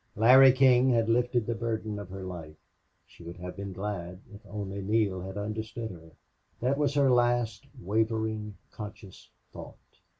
Larry King had lifted the burden of her life. She would have been glad if only Neale had understood her! That was her last wavering conscious thought.